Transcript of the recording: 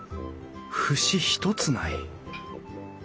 節一つない。